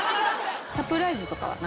サプライズとかは？